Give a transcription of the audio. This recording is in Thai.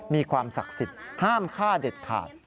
มีความศักดิ์สิทธิ์ห้ามฆ่าเด็ดขาด